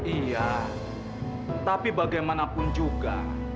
iya tapi bagaimanapun juga